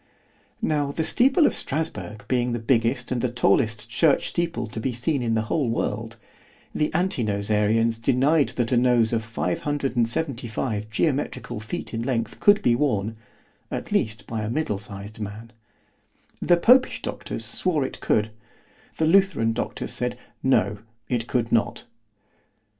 _ Now the steeple of Strasburg being the biggest and the tallest church steeple to be seen in the whole world, the Anti nosarians denied that a nose of 575 geometrical feet in length could be worn, at least by a middle siz'd man——The Popish doctors swore it could—The Lutheran doctors said No;—it could not.